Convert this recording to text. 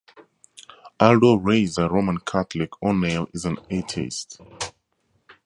Although raised a Roman Catholic, O'Neill is an atheist.